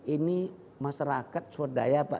ini masyarakat swadaya